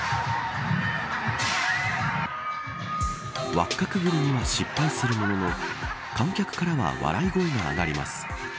輪っかくぐりには失敗するものの観客からは笑い声が上がります。